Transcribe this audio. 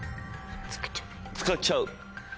使っちゃう。